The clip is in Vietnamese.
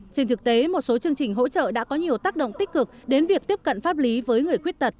trên thực tế một số chương trình hỗ trợ đã có nhiều tác động tích cực đến việc tiếp cận pháp lý với người khuyết tật